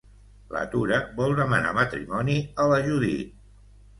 La Tura vol demanar matrimoni a la Judit.